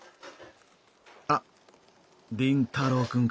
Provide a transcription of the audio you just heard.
あっ凛太郎くんか。